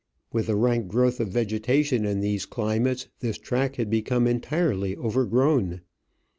With the rank growth of vegetation in these climates this track had become entirely overgrown.